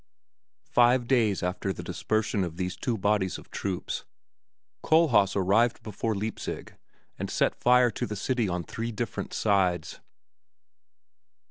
Five days after the dispersion of these two bodies of troops, Kohlhaas arrived before Leipzig and set fire to the city on three different sides.